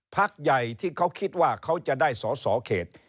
พักใหญ่ที่เขาคิดว่าเขาจะได้สอสอเขต